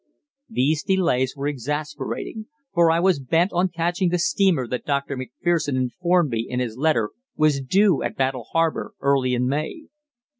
These delays were exasperating, for I was bent on catching the steamer that Dr. Macpherson informed me in his letter was due at Battle Harbour early in May.